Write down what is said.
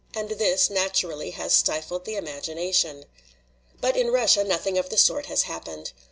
And this, naturally, has stifled the imagination. "But in Russia nothing of the sort has hap pened.